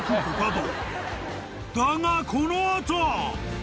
［だがこの後！］